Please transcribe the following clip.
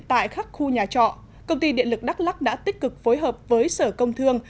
tại các khu nhà trọ công ty điện lực đắk lắc đã tích cực phối hợp với sở công thương